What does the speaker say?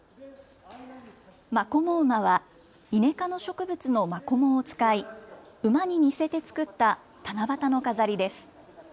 まこも馬はイネ科の植物のまこもを使い馬に似せて作った七夕の飾りです。